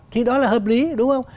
thì đó là hợp lý đúng không